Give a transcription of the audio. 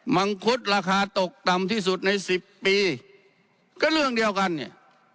มังคุดราคาตกต่ำที่สุดในสิบปีก็เรื่องเดียวกันเนี่ย